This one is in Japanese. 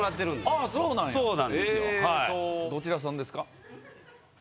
どちらさんですか？